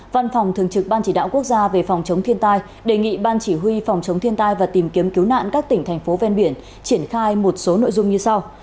văn phòng thường trực ban chỉ đạo quốc gia về phòng chống thiên tai đề nghị ban chỉ huy phòng chống thiên tai và tìm kiếm cứu nạn các tỉnh thành phố ven biển triển khai một số nội dung như sau